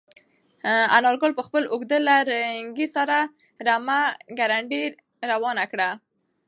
انارګل په خپل اوږد لرګي سره رمه ګړندۍ روانه کړه.